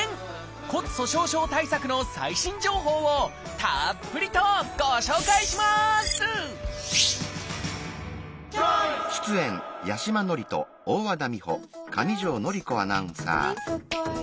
骨粗しょう症対策の最新情報をたっぷりとご紹介します！